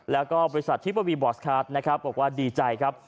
แล้วก็บริษัททิปวีบอสคาร์ดนะครับบอกว่าดีใจครับ